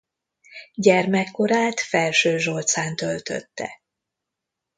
Gyermekkorát Felsőzsolcán töltötte.